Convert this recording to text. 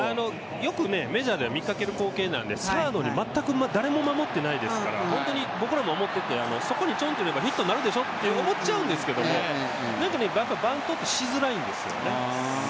よくメジャーでは見かける光景なんでサードに全く誰も守ってないですから、そこにちょんとやればヒットになるでしょうと思っちゃうんですけど、なんかバントってしづらいんですよね。